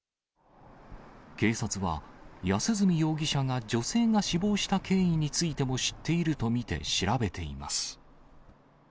警察は安栖容疑者が女性が死亡した経緯についても知っていると見て調べています。